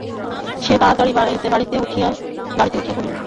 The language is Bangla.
সে তাড়াতাড়ি গাড়িতে উঠিয়া পড়িল।